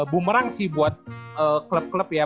bumerang sih buat klub klub ya